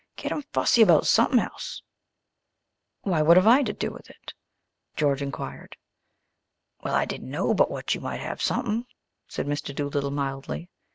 Get 'em fussy about sumpen else." "Why, what have I to do with it?" George inquired. "Well, I didn't know but what you might have sumpen," said Mr. Doolittle mildly.